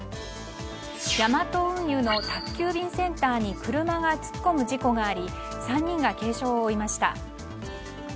ヤマト運輸の宅急便センターに車が突っ込む事故があり３人が軽傷を負いました。